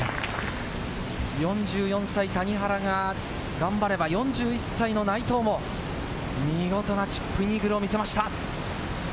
４４歳、谷原が頑張れば、４１歳の内藤も見事なチップインイーグルを見せました。